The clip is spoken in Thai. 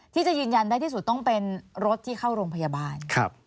ที่จะยืนยันได้ที่สุดต้องเป็นรถที่เข้าโรงพยาบาล